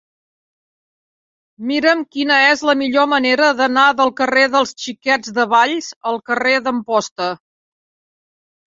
Mira'm quina és la millor manera d'anar del carrer dels Xiquets de Valls al carrer d'Amposta.